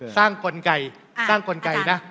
สร้างกลไกสร้างกลไกนะ